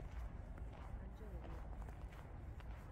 Ancho de vía